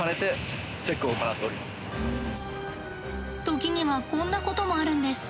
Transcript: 時にはこんなこともあるんです。